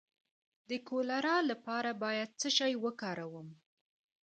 د کولرا لپاره باید څه شی وکاروم؟